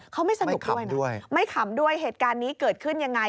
เขาไม่สนุกด้วยนะไม่ขำด้วยเหตุการณ์นี้เกิดขึ้นยังไง